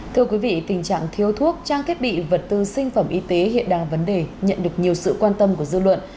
thưa quý vị tình trạng thiếu thuốc trang thiết bị vật tư sinh phẩm y tế hiện đang vấn đề nhận được nhiều sự quan tâm của dư luận